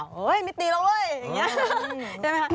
เฮ้ยไม่ตีเราเว้ยอย่างนี้